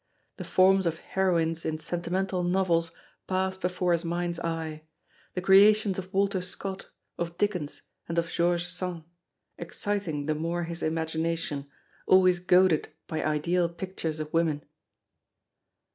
The forms of heroines in sentimental novels passed before his mind's eye the creations of Walter Scott, of Dickens, and of George Sand, exciting the more his imagination, always goaded by ideal pictures of women.